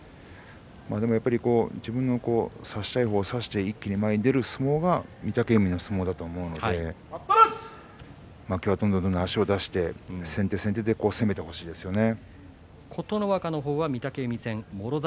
やっぱり自分が差したい方を差して一気に出る方が御嶽海の相撲だと思うので今日はどんどん足を出して先手先手で攻めてほしいですよね。